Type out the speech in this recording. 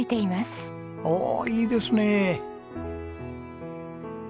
おおいいですねえ。